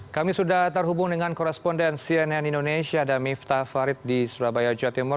kami sudah terhubung dengan koresponden cnn indonesia dan miftah farid di surabaya jatimur